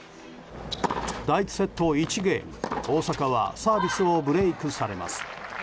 第１セット１ゲーム大坂はサービスをブレークされます。